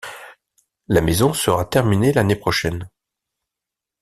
la maison sera terminé l'année prochaine